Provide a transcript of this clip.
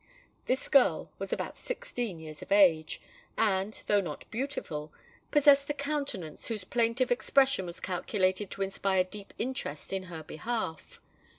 This girl was about sixteen years of age, and, though not beautiful, possessed a countenance whose plaintive expression was calculated to inspire deep interest in her behalf.